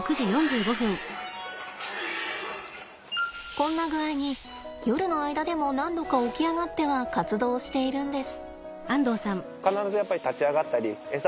こんな具合に夜の間でも何度か起き上がっては活動しているんです。